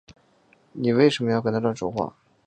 妳为什呢要跟他乱说话